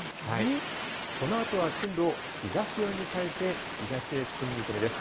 このあとは進路を東寄りに変えて、東へ進む見込みです。